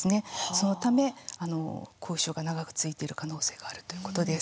そのため後遺症が長く続いている可能性があるということです。